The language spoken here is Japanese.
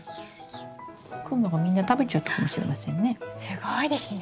クモがみんな食べちゃったかもしれませんね。